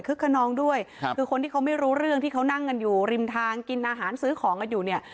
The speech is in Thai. คนนองด้วยครับคือคนที่เขาไม่รู้เรื่องที่เขานั่งกันอยู่ริมทางกินอาหารซื้อของกันอยู่เนี่ย